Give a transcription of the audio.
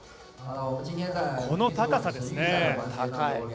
この高さですね。